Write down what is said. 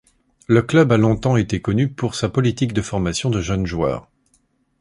Le club a longtemps été connu pour sa politique de formation de jeunes joueurs.